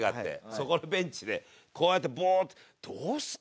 そこのベンチでこうやってボーッと「どうすっかな」